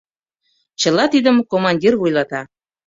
Чыла тидым командир вуйлата.